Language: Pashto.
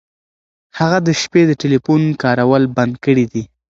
هغه د شپې د ټیلیفون کارول بند کړي دي.